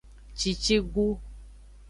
Cicigu.